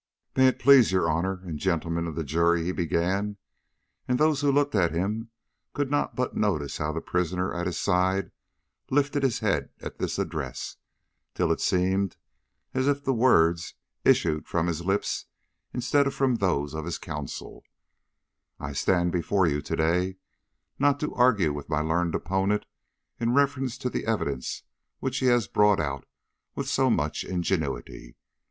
"May it please your Honor and Gentlemen of the Jury," he began, and those who looked at him could not but notice how the prisoner at his side lifted his head at this address, till it seemed as if the words issued from his lips instead of from those of his counsel, "I stand before you to day not to argue with my learned opponent in reference to the evidence which he has brought out with so much ingenuity.